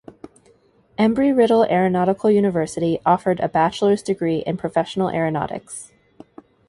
Embry-Riddle Aeronautical University offered a bachelor's degree in professional aeronautics.